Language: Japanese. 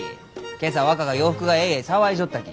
今朝若が洋服がえいえい騒いじょったき。